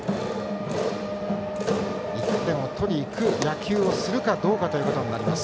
１点を取りにいく野球をするかどうか。